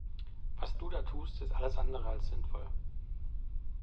Was du da tust ist alles andere als sinnvoll.